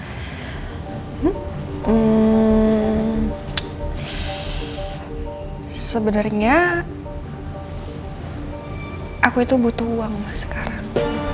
ehm sebenernya aku itu butuh uang ma sekarang